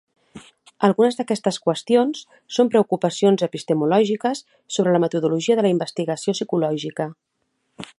Algunes d'aquestes qüestions són preocupacions epistemològiques sobre la metodologia de la investigació psicològica.